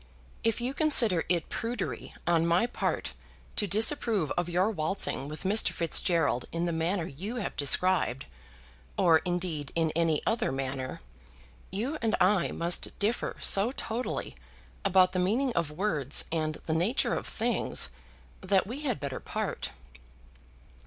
If you consider it prudery on my part to disapprove of your waltzing with Mr. Fitzgerald in the manner you have described, or, indeed, in any other manner, you and I must differ so totally about the meaning of words and the nature of things that we had better part."